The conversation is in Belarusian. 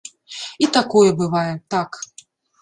І такое бывае, так.